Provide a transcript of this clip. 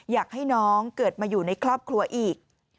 อยากให้น้องเกิดมาอยู่ในครอบครัวอีก